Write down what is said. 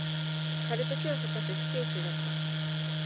カルト教祖かつ死刑囚だった。